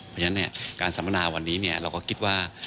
เพราะฉะนั้นการสัมมนาวันนี้เราก็คิดว่า